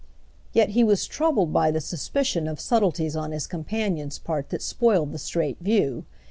Yet he was troubled by the suspicion of subtleties on his companion's part that spoiled the straight view.